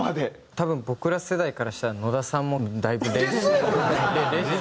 多分僕ら世代からしたら野田さんもだいぶレジェンド。ですよね！